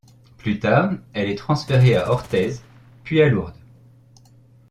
Plus tard, elle est transférée à Orthez, puis à Lourdes.